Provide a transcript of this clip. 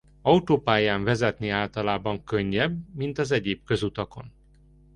Autópályán vezetni általában könnyebb, mint az egyéb közutakon